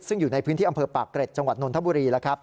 ซึ่งอยู่ในพื้นที่อำเภอปากเกร็ดจังหวัดนนทบุรี